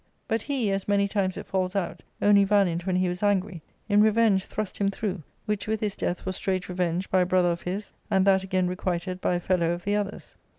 But he, as many times it falls out, only valiant when he was angry, in revenge thrust him through, c^ which with his death was straight revenged by a brother of ^/ his, and that again requited by a fellow of the other's.